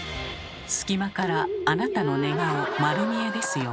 隙間からあなたの寝顔丸見えですよ。